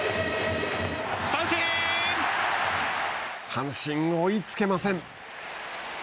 阪神、追いつけません。